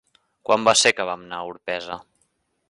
Quan va ser que vam anar a Orpesa?